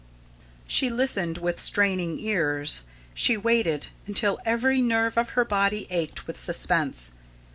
She listened, with straining ears. She waited, until every nerve of her body ached with suspense.